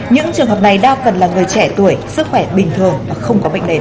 những trường hợp này đa phần là người trẻ tuổi sức khỏe bình thường và không có bệnh nền